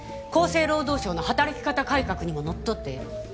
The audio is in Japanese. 厚生労働省の働き方改革にものっとっている。